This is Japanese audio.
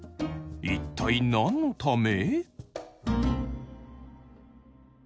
一体何のため？